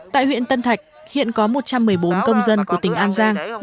tại huyện tân thạch hiện có một trăm một mươi bốn công dân của tỉnh an giang